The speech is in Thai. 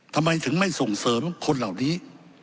ทำไมถึงไม่ส่งเสริมคนเหล่านี้